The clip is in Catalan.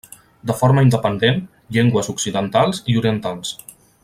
De forma independent, llengües occidentals i orientals.